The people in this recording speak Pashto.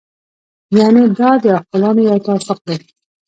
یعنې دا د عاقلانو یو توافق دی.